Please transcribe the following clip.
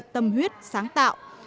tâm huyết sáng tạo